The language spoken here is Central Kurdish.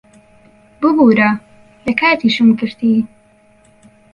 ببوورە، لە کاتیشم گرتی.